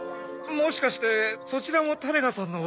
もしかしてそちらも多礼賀さんのお誘いで？